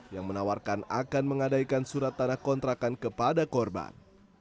yang menawarkan akan mengadaikan surat tanah kontrakan kepada korban